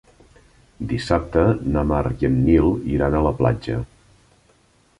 Dissabte na Mar i en Nil iran a la platja.